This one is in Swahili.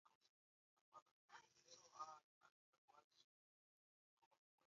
mtanzania lenyewe line lime limepambwa vizuri